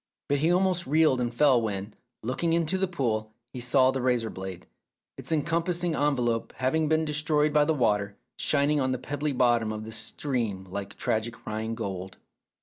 But he almost reeled and fell when, looking into the pool, he saw the razor blade, its encompassing en velope having been destroyed by the water, shining on the pebbly bottom of the stream like tragic Rhine gold.